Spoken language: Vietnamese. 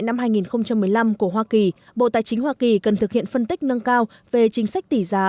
năm hai nghìn một mươi năm của hoa kỳ bộ tài chính hoa kỳ cần thực hiện phân tích nâng cao về chính sách tỷ giá